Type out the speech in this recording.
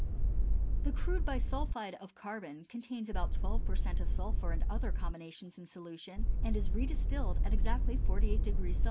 ] The crude bisulphide of carbon contains about twelve per cent of sulphur and other combinations in solution and is redistilled at exactly 48° C.